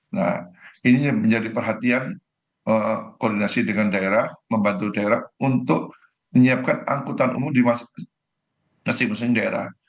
nah ini menjadi perhatian koordinasi dengan daerah membantu daerah untuk menyiapkan angkutan umum di masing masing daerah